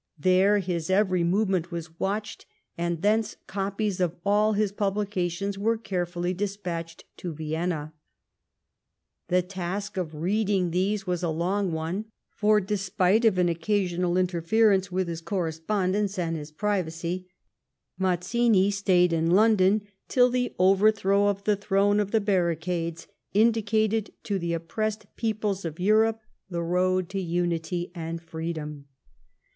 There his every movement was watched, and thence copies of all his publications were carefully despatched to Vienna. The task of reading these was a long one, for, despite of an occasional inter ference with his correspondence and his privacy, Mazzini stayed in London till the overthrow of the throne of the barricades indicated to the oppressed peoples of Europe the road to unity and freedom.